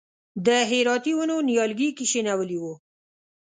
د هراتي ونو نیالګي یې کښېنولي و.